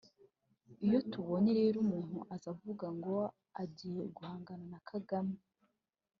Iyo tubonye rero umuntu aza avuga ngo agiye guhangana na Kagame